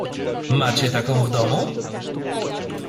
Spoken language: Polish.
"Macie taką w domu?"